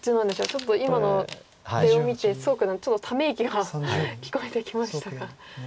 ちょっと今の出を見て蘇九段ちょっとため息が聞こえてきましたが。